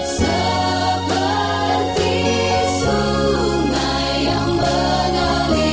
seperti sungai yang menari